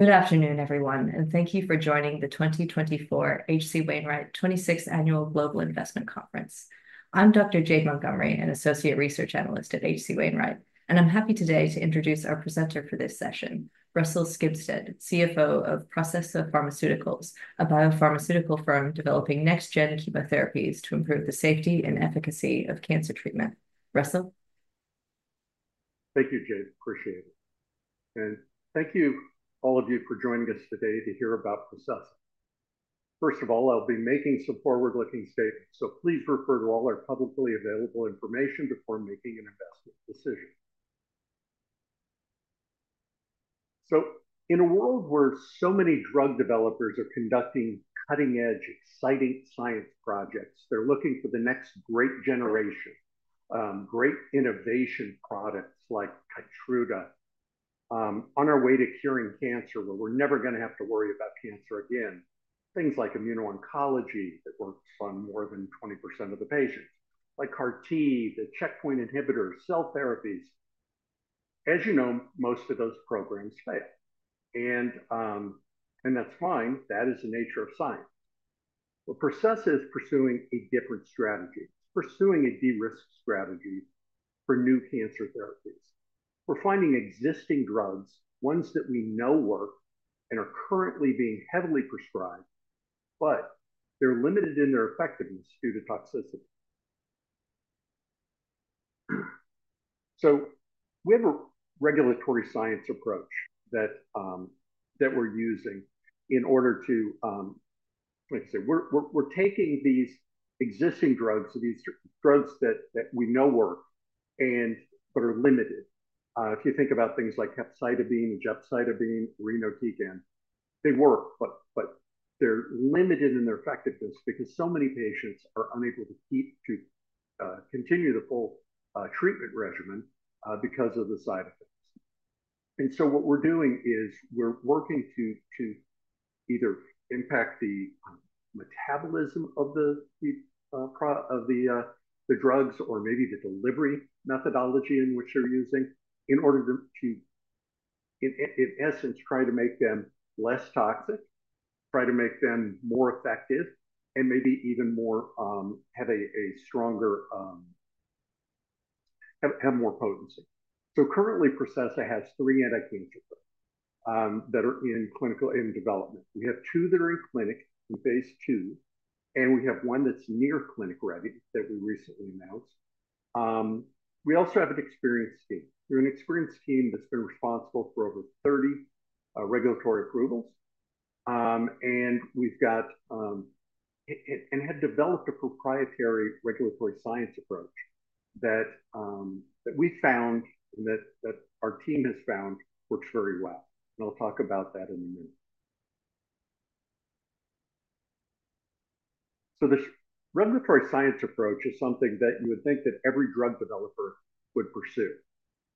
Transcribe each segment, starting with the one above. Good afternoon, everyone, and thank you for joining the 2024 H.C. Wainwright 26th Annual Global Investment Conference. I'm Dr. Jade Montgomery, an Associate Research Analyst at H.C. Wainwright, and I'm happy today to introduce our presenter for this session, Russell Skibsted, CFO of Processa Pharmaceuticals, a biopharmaceutical firm developing next-gen chemotherapies to improve the safety and efficacy of cancer treatment. Russell? Thank you, Jade. Appreciate it. And thank you, all of you, for joining us today to hear about Processa. First of all, I'll be making some forward-looking statements, so please refer to all our publicly available information before making an investment decision. So in a world where so many drug developers are conducting cutting-edge, exciting science projects, they're looking for the next great generation, great innovation products like KEYTRUDA, on our way to curing cancer, where we're never gonna have to worry about cancer again. Things like immuno-oncology, that works on more than 20% of the patients, like CAR T, the checkpoint inhibitors, cell therapies. As you know, most of those programs fail, and that's fine. That is the nature of science. But Processa is pursuing a different strategy. It's pursuing a de-risked strategy for new cancer therapies. We're finding existing drugs, ones that we know work and are currently being heavily prescribed, but they're limited in their effectiveness due to toxicity. So we have a regulatory science approach that we're using in order to, like I said, we're taking these existing drugs, these drugs that we know work but are limited. If you think about things like Capecitabine, Gemcitabine, Irinotecan, they work, but they're limited in their effectiveness because so many patients are unable to continue the full treatment regimen because of the side effects. And so what we're doing is we're working to either impact the metabolism of the drugs, or maybe the delivery methodology in which they're using in order to in essence try to make them less toxic, try to make them more effective, and maybe even more have a stronger have more potency. So currently Processa has three anti-cancer drugs that are in clinical development. We have two that are in clinic in phase II, and we have one that's near clinic-ready that we recently announced. We also have an experienced team. We have an experienced team that's been responsible for over 30 regulatory approvals, and we've got it and had developed a proprietary regulatory science approach that we found and that our team has found works very well, and I'll talk about that in a minute, so this regulatory science approach is something that you would think that every drug developer would pursue.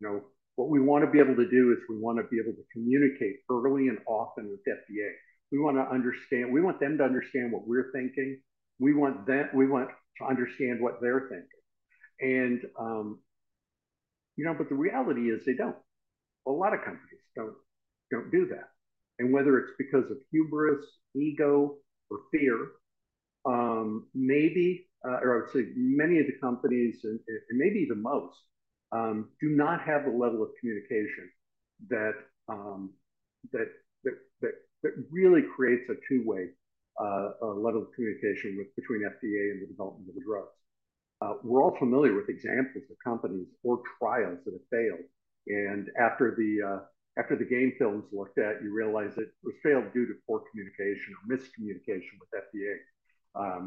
You know, what we want to be able to do is we want to be able to communicate early and often with the FDA. We want them to understand what we're thinking. We want to understand what they're thinking, and you know, but the reality is they don't. A lot of companies don't do that, and whether it's because of hubris, ego, or fear, maybe, or I would say many of the companies, and maybe even most, do not have the level of communication that really creates a two-way level of communication with between FDA and the development of the drugs. We're all familiar with examples of companies or trials that have failed, and after the game film is looked at, you realize that it was failed due to poor communication or miscommunication with FDA.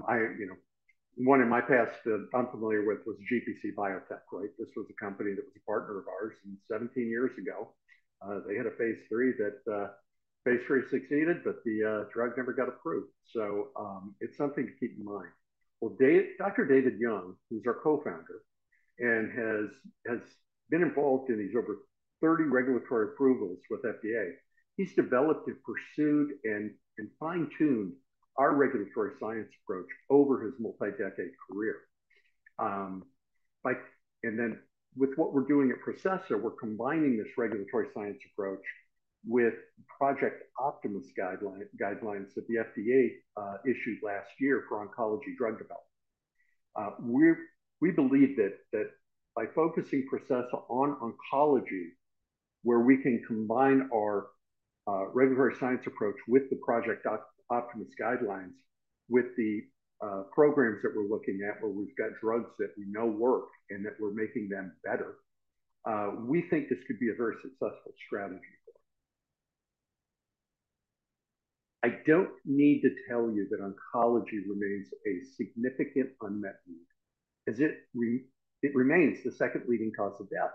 I, you know, one in my past that I'm familiar with was GPC Biotech, right? This was a company that was a partner of ours, and 17 years ago, they had a phase III that, phase III succeeded, but the, drug never got approved. So, it's something to keep in mind. Dr. David Young, who's our Co-founder and has been involved in these over 30 regulatory approvals with FDA, he's developed and pursued and fine-tuned our regulatory science approach over his multi-decade career. Like, and then with what we're doing at Processa, we're combining this regulatory science approach with Project Optimus guidelines that the FDA issued last year for oncology drug development. We believe that by focusing Processa on oncology, where we can combine our regulatory science approach with the Project Optimus guidelines, with the programs that we're looking at, where we've got drugs that we know work and that we're making them better, we think this could be a very successful strategy for us. I don't need to tell you that oncology remains a significant unmet need, as it remains the second leading cause of death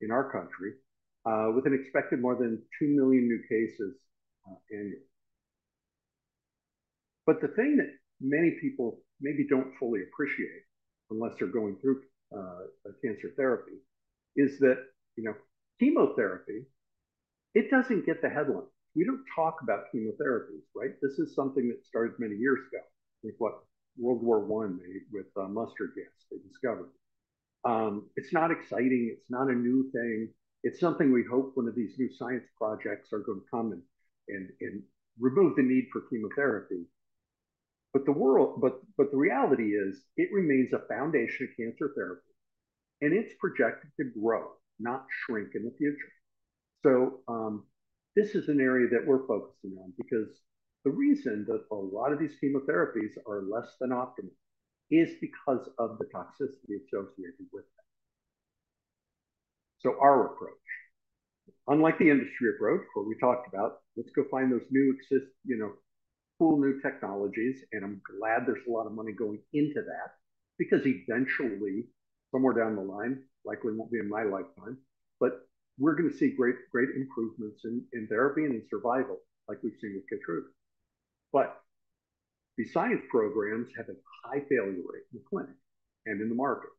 in our country, with an expected more than 2 million new cases annually. But the thing that many people maybe don't fully appreciate, unless they're going through a cancer therapy, is that, you know, chemotherapy, it doesn't get the headlines. We don't talk about chemotherapies, right? This is something that started many years ago, I think what, World War I, they with mustard gas, they discovered it. It's not exciting, it's not a new thing. It's something we hope one of these new science projects are going to come and remove the need for chemotherapy. But the reality is, it remains a foundation of cancer therapy, and it's projected to grow, not shrink in the future. This is an area that we're focusing on, because the reason that a lot of these chemotherapies are less than optimal is because of the toxicity associated with them. So our approach, unlike the industry approach, what we talked about, let's go find those new, you know, cool new technologies, and I'm glad there's a lot of money going into that, because eventually, somewhere down the line, likely won't be in my lifetime, but we're gonna see great, great improvements in therapy and in survival, like we've seen with KEYTRUDA. But the science programs have a high failure rate in the clinic and in the market.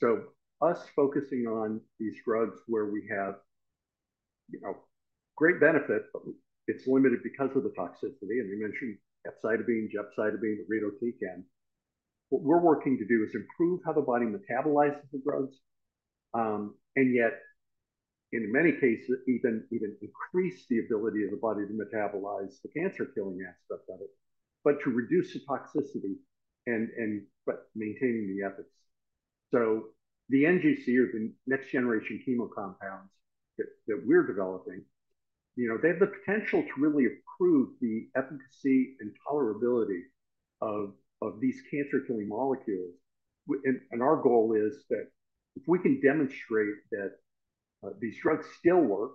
So us focusing on these drugs where we have, you know, great benefit, but it's limited because of the toxicity, and we mentioned Capecitabine, Gemcitabine, Irinotecan. What we're working to do is improve how the body metabolizes the drugs, and yet, in many cases, even increase the ability of the body to metabolize the cancer-killing aspect of it, but to reduce the toxicity and but maintaining the efficacy. So the NGC or the next generation chemo compounds that we're developing, you know, they have the potential to really improve the efficacy and tolerability of these cancer-killing molecules. And our goal is that if we can demonstrate that these drugs still work,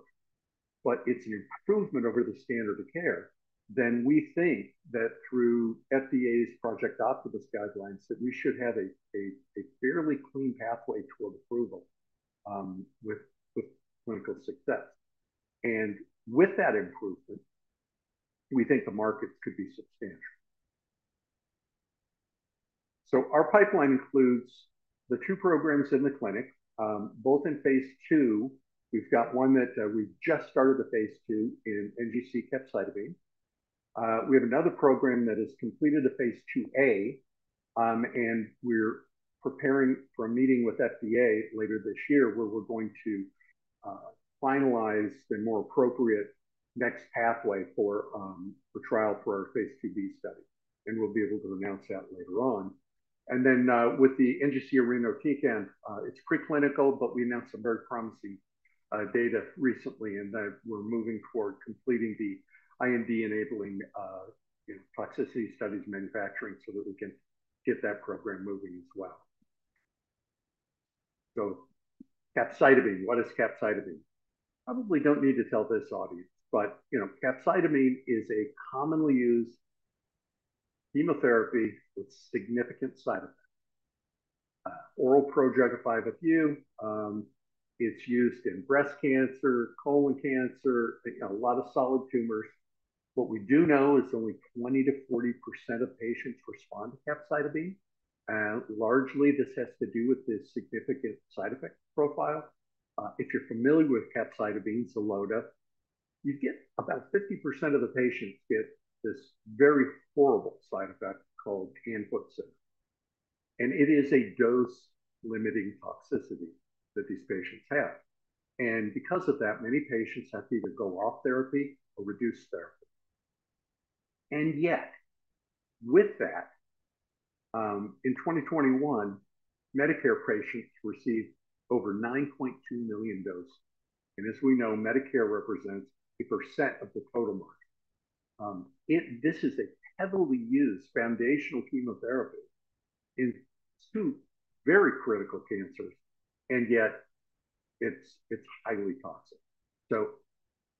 but it's an improvement over the standard of care, then we think that through FDA's Project Optimus guidelines, that we should have a fairly clean pathway toward approval, with clinical success. And with that improvement, we think the markets could be substantial. So our pipeline includes the two programs in the clinic, both in phase II. We've got one that we just started a phase II in NGC-Capecitabine. We have another program that has completed a phase II-A, and we're preparing for a meeting with FDA later this year, where we're going to finalize the more appropriate next pathway for trial for our phase II-B study, and we'll be able to announce that later on. And then, with the NGC-Irinotecan, it's preclinical, but we announced some very promising data recently, and we're moving toward completing the IND-enabling, you know, toxicity studies manufacturing so that we can get that program moving as well. So Capecitabine. What is Capecitabine? Probably don't need to tell this audience, but, you know, Capecitabine is a commonly used chemotherapy with significant side effects. Oral pro-Drug 5-FU, it's used in breast cancer, colon cancer, a lot of solid tumors. What we do know is only 20%-40% of patients respond to Capecitabine, and largely this has to do with the significant side effect profile. If you're familiar with Capecitabine, Xeloda, you get about 50% of the patients get this very horrible side effect called hand-foot-syndrome, and it is a dose-limiting toxicity that these patients have. And because of that, many patients have to either go off therapy or reduce therapy. And yet, with that, in 2021, Medicare patients received over 9.2 million doses, and as we know, Medicare represents a percent of the total market. This is a heavily used foundational chemotherapy in two very critical cancers, and yet it's, it's highly toxic. So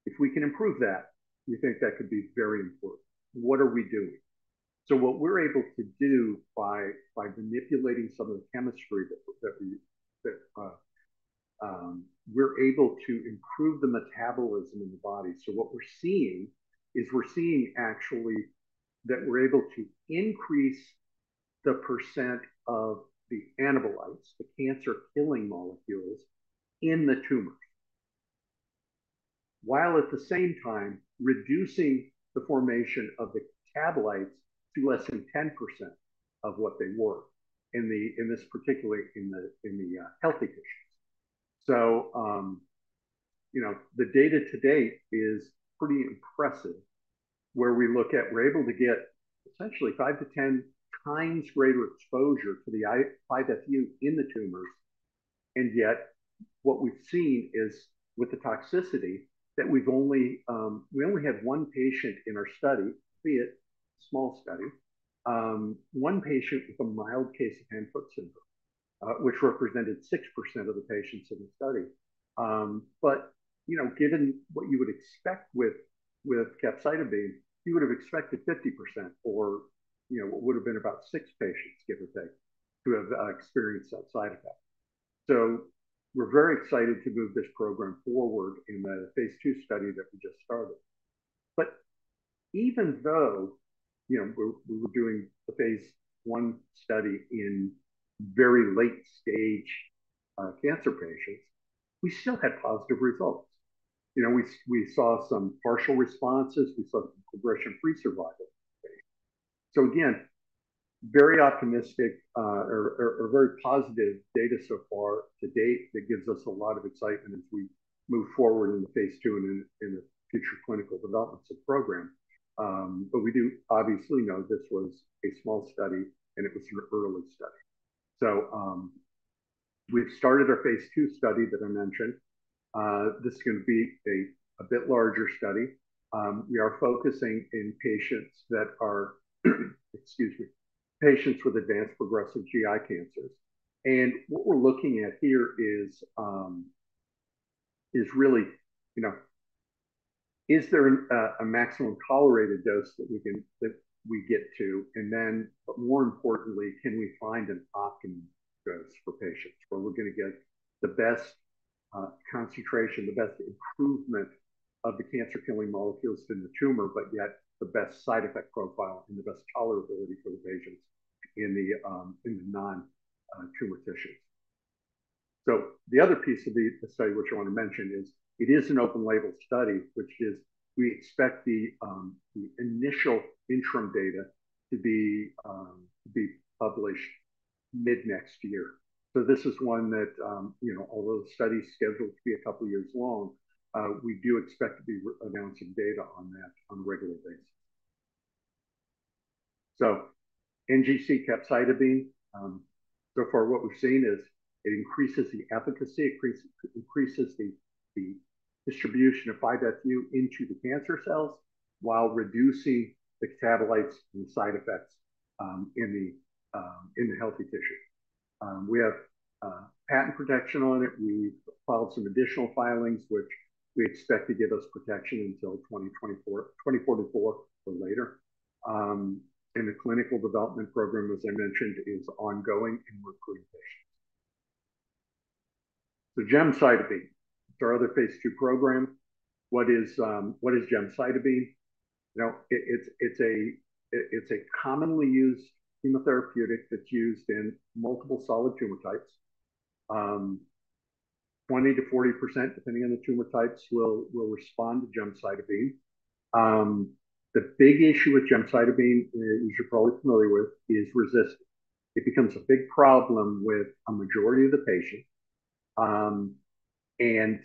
if we can improve that, we think that could be very important. What are we doing? So what we're able to do by manipulating some of the chemistry that we're able to improve the metabolism in the body. So what we're seeing is actually that we're able to increase the percent of the anabolites, the cancer-killing molecules, in the tumors, while at the same time reducing the formation of the catabolites to less than 10% of what they were in the healthy patients. So, you know, the data to date is pretty impressive. Where we look at, we're able to get essentially 5x-10x greater exposure to the 5-FU in the tumors, and yet, what we've seen is with the toxicity, that we've only, we only had one patient in our study, albeit a small study, one patient with a mild case of hand-foot-syndrome, which represented 6% of the patients in the study. But, you know, given what you would expect with, with Capecitabine, you would have expected 50% or, you know, what would have been about six patients, give or take, to have, experienced that side effect. So we're very excited to move this program forward in the phase II study that we just started. But even though, you know, we were doing a phase I study in very late stage, cancer patients, we still had positive results. You know, we saw some partial responses, we saw some progression-free survival, so again, very optimistic, very positive data so far to date that gives us a lot of excitement as we move forward in the phase II and in the future clinical developments of the program, but we do obviously know this was a small study, and it was an early study, so we've started our phase II study that I mentioned. This is gonna be a bit larger study. We are focusing in patients that are, excuse me, patients with advanced progressive GI cancers, and what we're looking at here is really, you know, is there a maximum tolerated dose that we get to? And then, but more importantly, can we find an optimum dose for patients where we're gonna get the best concentration, the best improvement of the cancer-killing molecules in the tumor, but yet the best side effect profile and the best tolerability for the patients in the non tumor tissues. So the other piece of the study, which I want to mention, is it is an open label study, which is we expect the initial interim data to be published mid-next year. So this is one that, you know, although the study is scheduled to be a couple of years long, we do expect to be announcing data on that on a regular basis. So NGC-Capecitabine, so far what we've seen is it increases the efficacy, it increases the distribution of 5-FU into the cancer cells while reducing the metabolites and side effects in the healthy tissue. We have patent protection on it. We filed some additional filings, which we expect to give us protection until 2024, 2044 or later. And the clinical development program, as I mentioned, is ongoing, and we're recruiting patients. Gemcitabine, it's our other phase II program. What is Gemcitabine? You know, it's a commonly used chemotherapeutic that's used in multiple solid tumor types. 20%-40%, depending on the tumor types, will respond to Gemcitabine. The big issue with Gemcitabine, you should probably be familiar with, is resistance. It becomes a big problem with a majority of the patients, and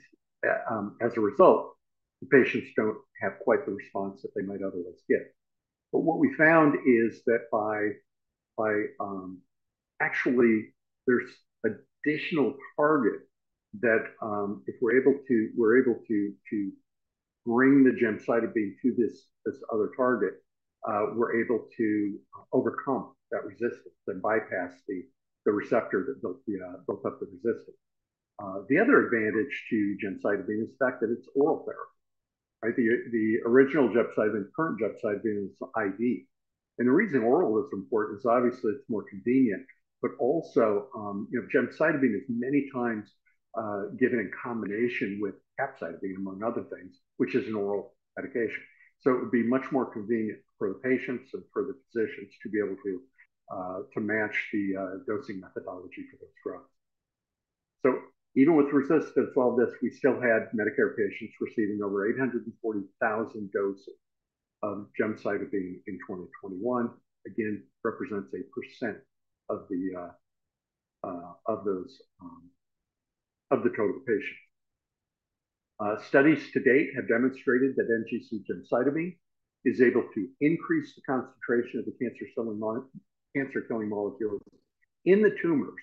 as a result, the patients don't have quite the response that they might otherwise get, but what we found is that actually there's an additional target that if we're able to bring the Gemcitabine to this other target, we're able to overcome that resistance and bypass the receptor that built up the resistance. The other advantage to Gemcitabine is the fact that it's oral therapy, right? The original Gemcitabine, current Gemcitabine is IV, and the reason oral is important is obviously it's more convenient, but also, you know, Gemcitabine is many times given in combination with Capecitabine, among other things, which is an oral medication. So it would be much more convenient for the patients and for the physicians to be able to match the dosing methodology for those drugs. So even with resistance, all this, we still had Medicare patients receiving over 840,000 doses of Gemcitabine in 2021. Again, represents 8% of the of those of the total patient. Studies to date have demonstrated that NGC-Gemcitabine is able to increase the concentration of the cancer cell and more cancer-killing molecules in the tumors,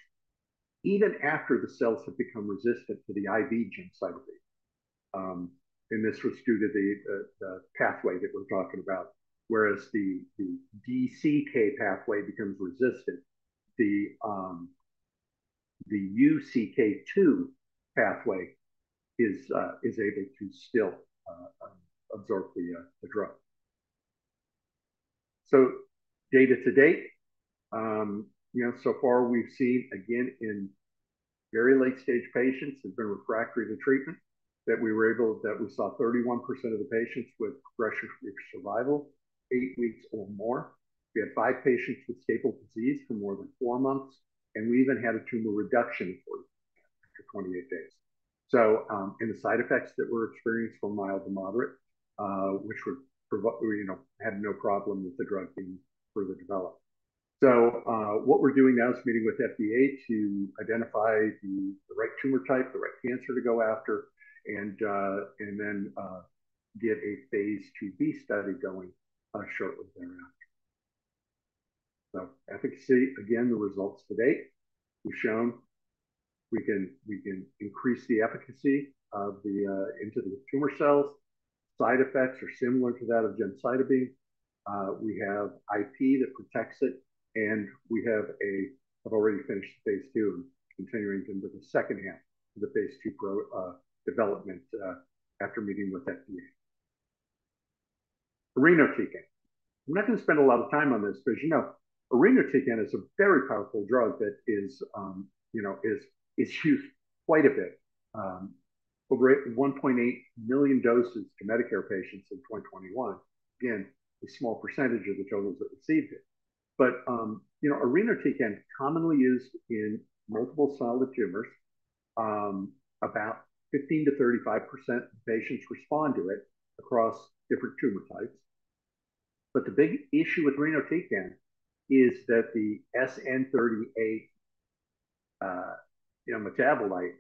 even after the cells have become resistant to the IV Gemcitabine. And this was due to the pathway that we're talking about, whereas the dCK pathway becomes resistant, the UCK2 pathway is able to still absorb the drug. So data to date, you know, so far we've seen, again, in very late-stage patients that have been refractory to treatment, that we saw 31% of the patients with progression-free survival, eight weeks or more. We had five patients with stable disease for more than four months, and we even had a tumor reduction for 28 days. So, and the side effects that were experienced were mild to moderate, which would provide, you know, had no problem with the drug being further developed. So, what we're doing now is meeting with FDA to identify the right tumor type, the right cancer to go after, and then get a phase II-B study going, shortly thereafter. So efficacy, again, the results to date, we've shown we can increase the efficacy of the into the tumor cells. Side effects are similar to that of Gemcitabine. We have IP that protects it, and I've already finished phase II and continuing into the second half of the phase II pro development after meeting with FDA. Irinotecan. I'm not going to spend a lot of time on this because, you know, Irinotecan is a very powerful drug that is, you know, is used quite a bit, over 1.8 million doses to Medicare patients in 2021. Again, a small percentage of the totals that received it. But, you know, Irinotecan, commonly used in multiple solid tumors. About 15%-35% of patients respond to it across different tumor types. But the big issue with Irinotecan is that the SN-38, you know, metabolite,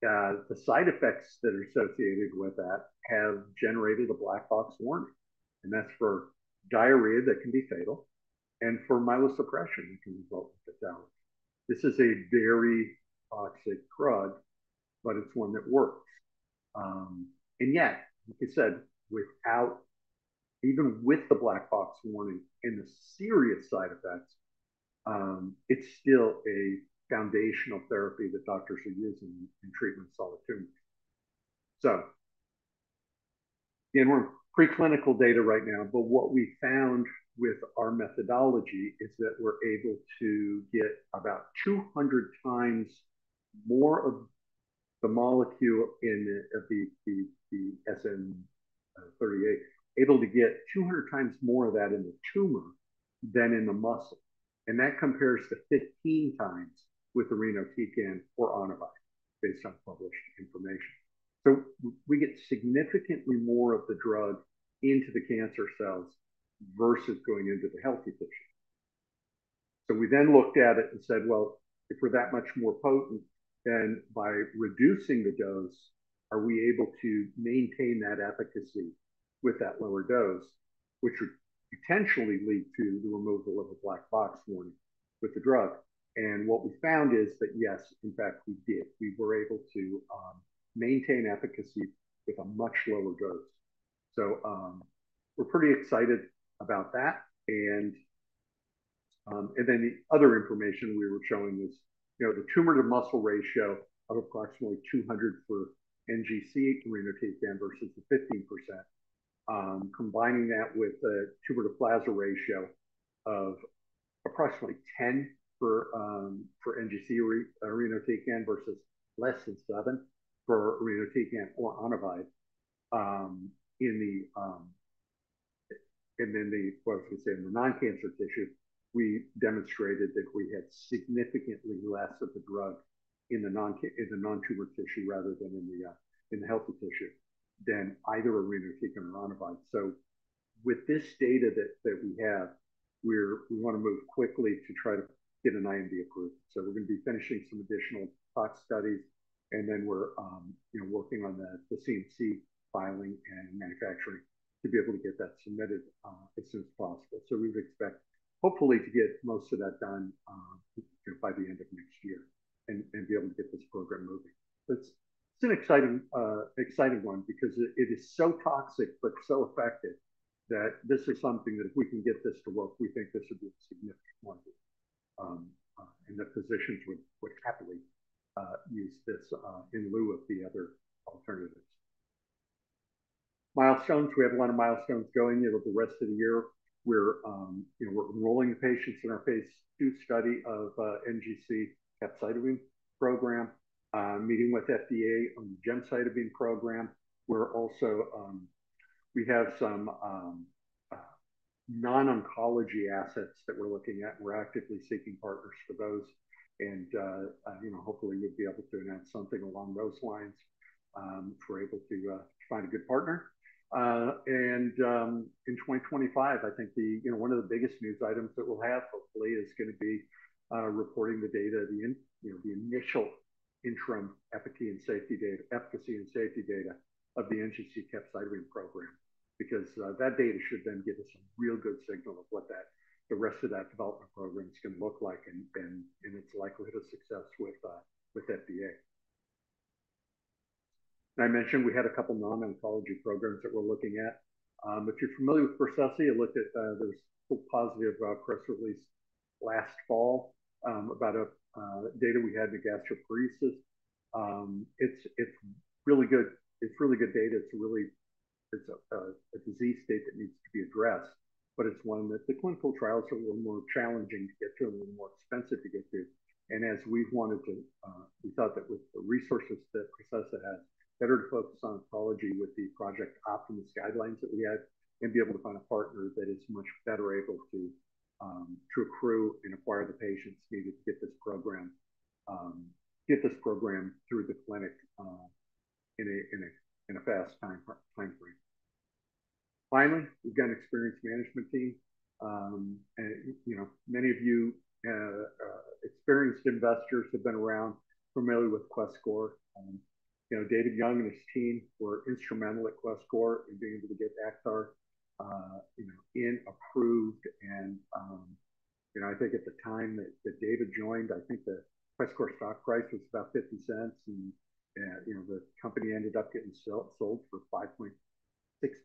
the side effects that are associated with that have generated a BlackBox warning, and that's for diarrhea that can be fatal, and for myelosuppression, it can result in fatality. This is a very toxic drug, but it's one that works, and yet, like I said, even with the BlackBox warning and the serious side effects, it's still a foundational therapy that doctors are using in treatment solid tumors. We have preclinical data right now, but what we found with our methodology is that we're able to get about 200x more of the SN-38 in the tumor than in the muscle, and that compares to 15x with Irinotecan or Onivyde, based on published information. We get significantly more of the drug into the cancer cells versus going into the healthy tissue. We then looked at it and said, "Well, if we're that much more potent, then by reducing the dose, are we able to maintain that efficacy with that lower dose, which would potentially lead to the removal of a BlackBox warning with the drug?" What we found is that, yes, in fact, we did. We were able to maintain efficacy with a much lower dose. So, we're pretty excited about that. And, and then the other information we were showing was, you know, the tumor-to-muscle ratio of approximately two hundred for NGC-Irinotecan versus the 15%. Combining that with the tumor-to-plasma ratio of approximately 10 for NGC-Irinotecan versus less than seven for Irinotecan or Onivyde, in the... And then the, what I should say, in the non-cancer tissue, we demonstrated that we had significantly less of the drug in the non-tumor tissue rather than in the healthy tissue than either Irinotecan or Onivyde. So with this data that we have, we want to move quickly to try to get an IND approved. We're going to be finishing some additional tox studies, and then we're, you know, working on the CMC filing and manufacturing to be able to get that submitted as soon as possible. We would expect, hopefully, to get most of that done, you know, by the end of next year and be able to get this program moving. It's an exciting one because it is so toxic, but so effective, that this is something that if we can get this to work, we think this would be a significant one. The physicians would happily use this in lieu of the other alternatives. We have a lot of milestones going over the rest of the year. We're, you know, we're enrolling patients in our phase II study of NGC-Capecitabine program, meeting with FDA on the Gemcitabine program. We're also, we have some non-oncology assets that we're looking at, and we're actively seeking partners for those. And, you know, hopefully, we'll be able to announce something along those lines, if we're able to find a good partner. And, in 2025, I think, you know, one of the biggest news items that we'll have, hopefully, is gonna be reporting the data, you know, the initial interim efficacy and safety data of the NGC-Capecitabine program. Because that data should then give us a real good signal of what that, the rest of that development program is gonna look like and its likelihood of success with FDA. I mentioned we had a couple of non-oncology programs that we're looking at. If you're familiar with Processa, you looked at those positive press release last fall, about data we had to gastroparesis. It's really good. It's really good data. It's a disease state that needs to be addressed, but it's one that the clinical trials are a little more challenging to get to and a little more expensive to get to. And as we wanted to, we thought that with the resources that Processa had, better to focus on oncology with the Project Optimus guidelines that we had, and be able to find a partner that is much better able to, to accrue and acquire the patients needed to get this program through the clinic, in a fast timeframe. Finally, we've got an experienced management team. And, you know, many of you, experienced investors have been around, familiar with Questcor. You know, David Young and his team were instrumental at Questcor in being able to get Acthar approved, and you know, I think at the time that David joined, I think the Questcor stock price was about $0.50, and you know, the company ended up getting sold for $5.6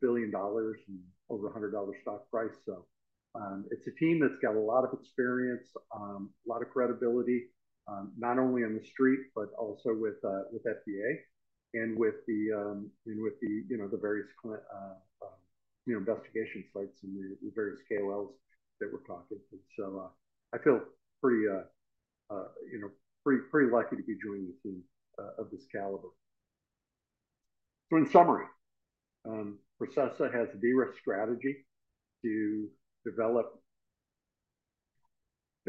billion and over a $100 stock price. It's a team that's got a lot of experience, a lot of credibility, not only on the street, but also with FDA and with the, you know, the various investigational sites and the various KOLs that we're talking to. I feel pretty, you know, pretty lucky to be joining a team of this caliber. So in summary, Processa has a de-risked strategy to develop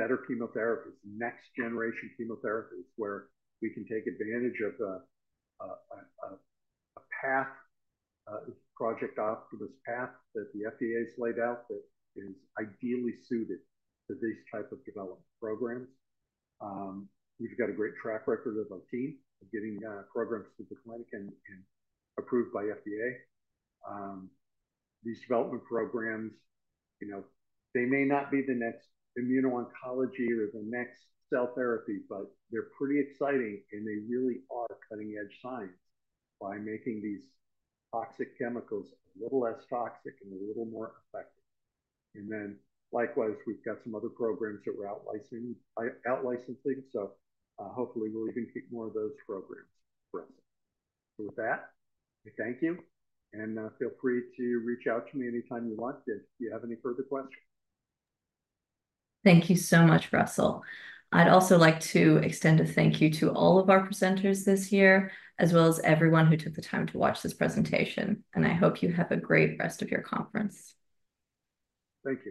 better chemotherapies, next generation chemotherapies, where we can take advantage of a path, Project Optimus path that the FDA has laid out that is ideally suited to these type of development programs. We've got a great track record of our team of getting programs through the clinic and approved by FDA. These development programs, you know, they may not be the next immuno-oncology or the next cell therapy, but they're pretty exciting, and they really are cutting-edge science by making these toxic chemicals a little less toxic and a little more effective. And then, likewise, we've got some other programs that we're out licensing. So, hopefully, we'll even keep more of those programs for us. So with that, I thank you, and feel free to reach out to me anytime you want if you have any further questions. Thank you so much, Russell. I'd also like to extend a thank you to all of our presenters this year, as well as everyone who took the time to watch this presentation, and I hope you have a great rest of your conference. Thank you.